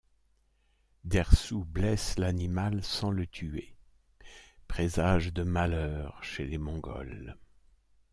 Dersou blesse l'animal sans le tuer, présage de malheur chez les Mongols.